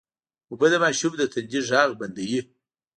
اوبه د ماشوم د تندې غږ بندوي